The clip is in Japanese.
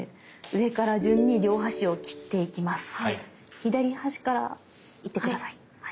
左端から行って下さい。